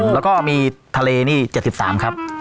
แล้วก็มีทะเลนี่๗๓ครับ